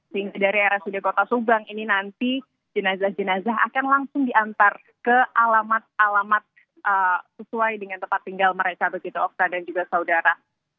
sehingga dari rsud kota subang ini nanti jenazah jenazah akan langsung diantar ke alamat alamat sesuai dengan tempat tinggal mereka begitu oksa dan juga saudara